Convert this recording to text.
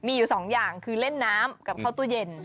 มีอยู่สองอย่างคือเล่นน้ำกับข้าวตู้เย็น